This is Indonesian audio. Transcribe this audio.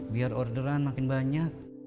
biar orderan makin banyak